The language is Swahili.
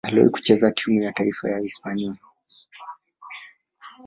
Aliwahi kucheza timu ya taifa ya Hispania.